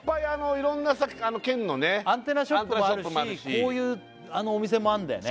いろんな県のねアンテナショップもあるしこういうお店もあんだよね